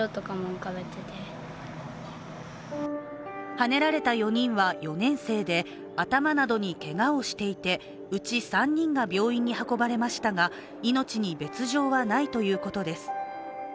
はねられた４人は４年生で頭などにけがをしていて、うち３人が病院に運ばれましたが命に別状はないということです。